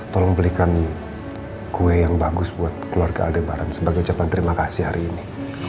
tolong belikan kue yang bagus buat keluarga aldebaran sebagai ucapan terima kasih hari ini